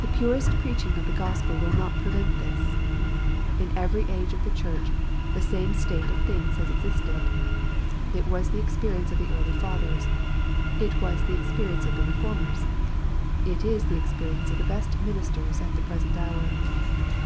The purest preaching of the Gospel will not prevent this. In every age of the Church, the same state of things has existed. It was the experience of the early Fathers. It was the experience of the Reformers. It is the experience of the best ministers at the present hour.